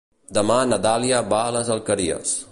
Demà na Dàlia va a les Alqueries.